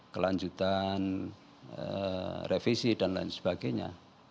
kelanjutan revisi dan lain sebagainya